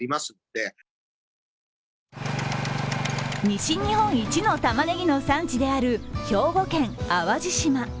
西日本一のたまねぎの産地である兵庫県淡路島。